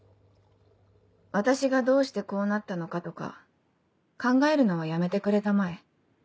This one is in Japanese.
私がどうしてこうなったのかとか考えるのはやめてくれたまえ。